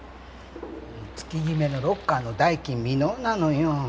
月決めのロッカーの代金未納なのよ。